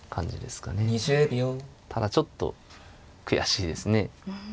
ただちょっと悔しいですね。